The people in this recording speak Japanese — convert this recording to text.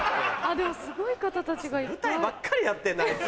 でもすごい方たちがいっぱい。